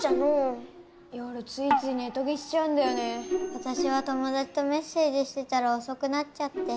私は友だちとメッセージしてたら遅くなっちゃって。